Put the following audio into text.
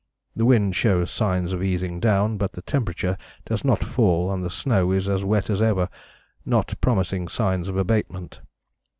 The wind shows signs of easing down, but the temperature does not fall and the snow is as wet as ever, not promising signs of abatement.